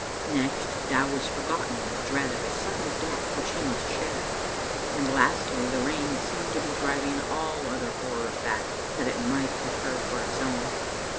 Next, Dow was forgotten in the dread of a sudden death which he must share. And lastly, the rain seemed to be driving all other horrors back, that it might have her for its own.